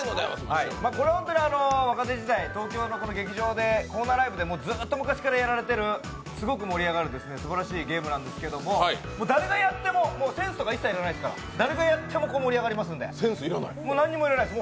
これ、本当に若手時代東京の劇場でずっと昔からやられているすごく盛り上がるすばらしいゲームなんですけれども、誰がやっても、センスとか一切要りませんので、誰がやっても盛り上がりますんで、何も要らないです。